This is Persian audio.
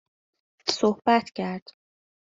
صحبت کرد